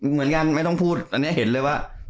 เหมือนกันไม่ต้องพูดอันนี้เห็นเลยว่า